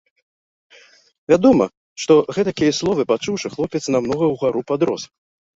Вядома, што, гэтакія словы пачуўшы, хлопец намнога ўгару падрос.